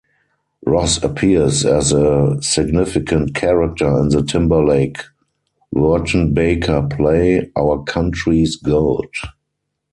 Ross appears as a significant character in the Timberlake Wertenbaker play, "Our Country's Good".